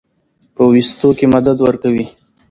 پۀ ويستو کښې مدد ورکوي